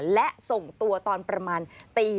และส่งตัวตอนประมาณตี